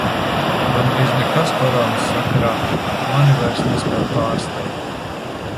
Gandrīz nekas Koronas sakarā mani vairs nespēj pārsteigt.